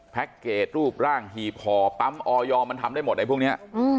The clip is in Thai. เกจรูปร่างหีบห่อปั๊มออยมันทำได้หมดไอ้พวกนี้